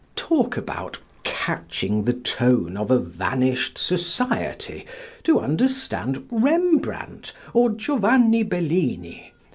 Talk about catching the tone of a vanished society to understand Rembrandt or Giovanni Bellini!